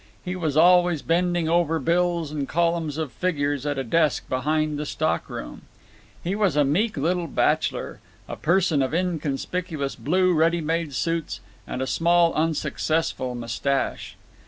He was always bending over bills and columns of figures at a desk behind the stock room. He was a meek little bachlor—a person of inconspicuous blue ready made suits, and a small unsuccessful mustache.